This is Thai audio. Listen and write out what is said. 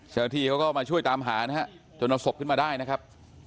เชียวทีเขาก็มาช่วยตามหานะครับจนเอาศพขึ้นมาได้นะครับ